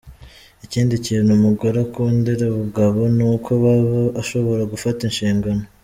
Ikindi kintu umugore akundira umugabo ni uko aba ashobora gufata inshingano.